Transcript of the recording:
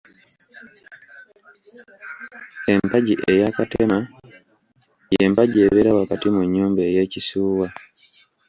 Empagi eya Katema y'empagi ebeera wakati mu nnyumba ey’ekisuuwa.